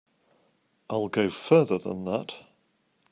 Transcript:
I'll go further than that.